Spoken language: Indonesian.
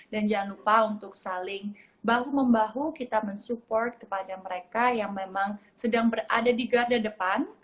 dan jangan lupa untuk saling bahu membahu kita mensupport kepada mereka yang memang sedang berada di garda depan